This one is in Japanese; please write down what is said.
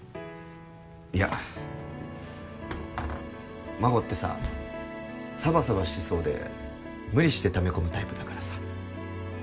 いや真帆ってさサバサバしてそうで無理してため込むタイプだからさ。